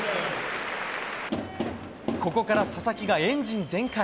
ここから佐々木がエンジン全開。